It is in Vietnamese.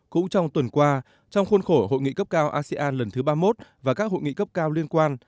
cũng trong tuần qua trong khuôn khổ hội nghị cấp cao asean lần thứ ba mươi một và các hội nghị cấp cao liên quan